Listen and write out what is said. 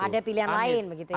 ada pilihan lain begitu ya